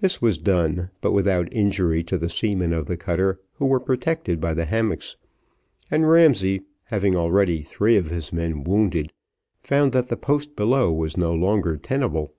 This was done, but without injury to the seamen of the cutter, who were protected by the hammocks, and Ramsay having already three of his men wounded, found that the post below was no longer tenable.